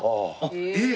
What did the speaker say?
えっ！